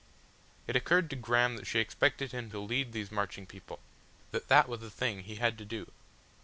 It occurred to Graham that she expected him to lead these marching people, that that was the thing he had to do.